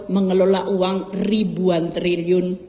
mengelola uang ribuan triliun